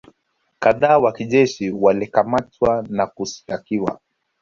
kadhaa wa kijeshi walikamatwa na kushtakiwa